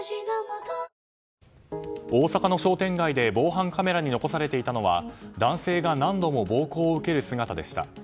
大阪の商店街で防犯カメラに残されていたのは男性が何度も暴行を受ける姿でした。